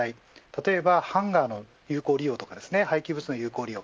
例えばハンガーの有効利用や廃棄物の有効利用